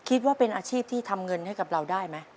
คิดว่าเป็นอาชีพที่ทำเงินให้กับเราได้ไหม